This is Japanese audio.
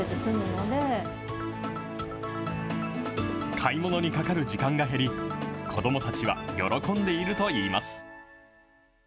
買い物にかかる時間が減り、子どもたちは喜んでいるといいます。